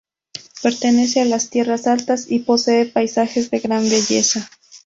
Pertenece a las "Tierras Altas" y posee paisajes de gran belleza.